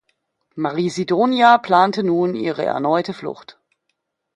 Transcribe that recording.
Marie Sidonia plante nun ihre erneute Flucht.